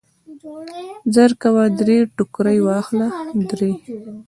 زرکوه درې ټوکرۍ واخله درې.